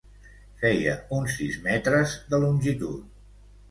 Feia uns sis metres de longitud.